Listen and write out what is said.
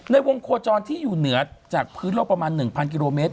ในวงโคจรที่อยู่เหนือจากพื้นโลกประมาณ๑๐๐กิโลเมตร